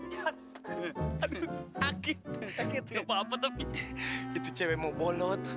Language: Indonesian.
gak apa apa tapi itu cewek mau bolot